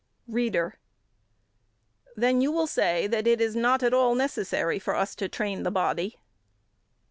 READER: Then you will say that it is not at all necessary for us to train the body?